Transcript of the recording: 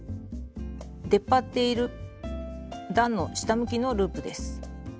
出っ張っている段の下向きのループです。